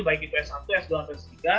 baik itu s satu s dua atau s tiga